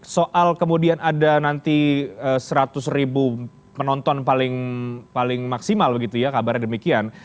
soal kemudian ada nanti seratus ribu penonton paling maksimal begitu ya kabarnya demikian